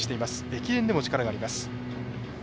駅伝でも力があります。